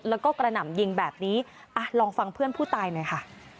แล้วก็กระหน่ำยิงแบบนี้อ่ะลองฟังเพื่อนผู้ตายหน่อยค่ะ